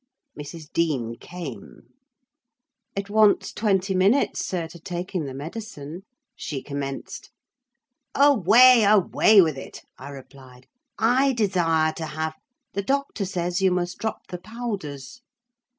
Mrs. Dean came. "It wants twenty minutes, sir, to taking the medicine," she commenced. "Away, away with it!" I replied; "I desire to have—" "The doctor says you must drop the powders."